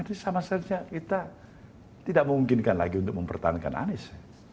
jadi sama sama kita tidak memungkinkan lagi untuk mempertahankan anies